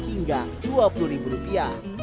hingga dua puluh rupiah